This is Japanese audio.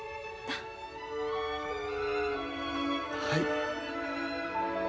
はい。